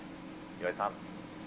岩井さん。